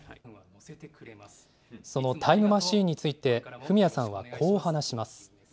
その「タイムマシーン」についてフミヤさんは、こう話します。